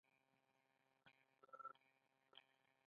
دَ شعر و ادب پۀ سبب دَ يو قام سوچ فکر،